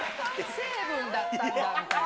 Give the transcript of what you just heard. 成分だったんだみたいな。